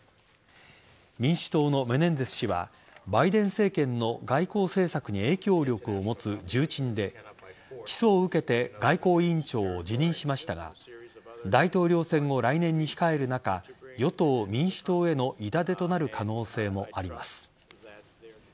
民主党のメネンデス氏はバイデン政権の外交政策に影響力を持つ重鎮で起訴を受けて外交委員長を辞任しましたが大統領選を来年に控える中与党・民主党への痛手となる可能性もあります。